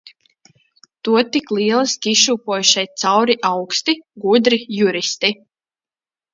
To tik lieliski izšūpoja šeit cauri augsti, gudri juristi.